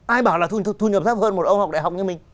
ai bảo là thu nhập thấp hơn một ông học đại học như mình